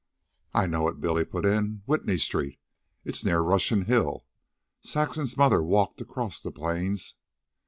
"I know it," Billy put in. "Whitney Street. It's near Russian Hill. Saxon's mother walked across the Plains."